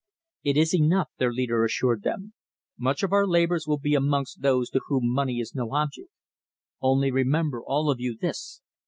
"It is enough," their leader assured them. "Much of our labours will be amongst those to whom money is no object. Only remember, all of you, this.